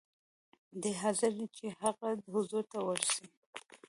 دی حاضر دی چې د هغه حضور ته ورسي.